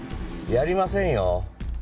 やりませんよ